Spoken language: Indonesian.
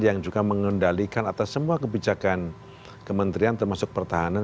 yang juga mengendalikan atas semua kebijakan kementerian termasuk pertahanan